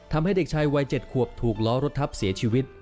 ทำให้เด็กชายวัย๗ขวบถูกล้อรถทับเสียชีวิต